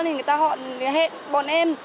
thì người ta họ hẹn bọn em